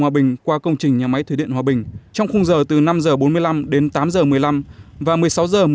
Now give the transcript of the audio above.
hòa bình qua công trình nhà máy thủy điện hòa bình trong khung giờ từ năm h bốn mươi năm đến tám h một mươi năm và một mươi sáu h một mươi